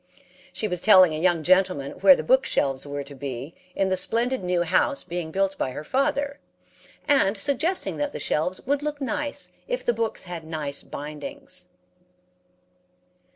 She was telling a young gentleman where the book shelves were to be in the splendid new house being built by her father, and suggesting that the shelves would look nice if the books had nice bindings.